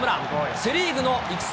セ・リーグの育成